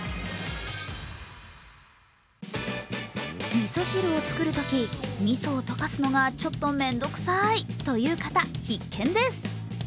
みそ汁を作るときみそを溶かすのがちょっとめんどくさいという方必見です。